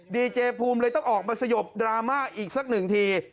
ดีเจภูมิเลยต้องออกมาสยบดราม่าอีกสักหนึ่งที